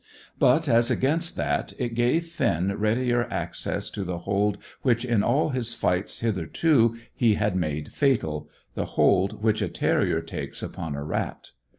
But, as against that, it gave Finn readier access to the hold which in all his fights hitherto he had made fatal: the hold which a terrier takes upon a rat.